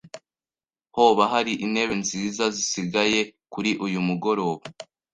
Hoba hari intebe nziza zisigaye kuri uyu mugoroba?